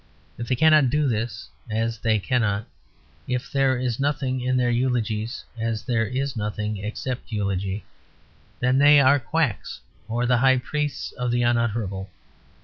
If they cannot do this, as they cannot; if there is nothing in their eulogies, as there is nothing except eulogy then they are quacks or the high priests of the unutterable.